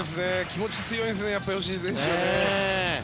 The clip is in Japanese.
気持ち強いですね吉井選手はね。